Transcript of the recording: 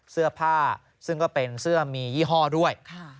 เสื้อผ้าซึ่งก็เป็นเสื้อมียี่ห้อด้วย